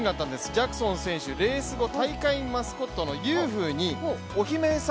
ジャクソン選手、レース後大会マスコットのユーフーにお姫様